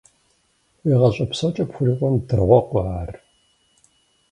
Уи гъащӀэ псокӀэ пхурикъун дыргъуэкъэ ар?!